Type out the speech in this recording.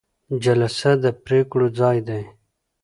جلسه د پریکړو ځای دی